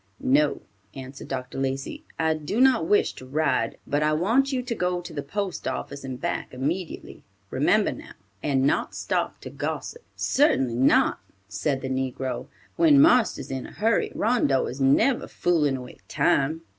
"No," answered Dr. Lacey, "I do not wish to ride, but I want you to go to the post office and back immediately; remember now, and not stop to gossip." "Certainly not," said the negro. "When marster's in a hurry, Rondeau is never foolin' away time."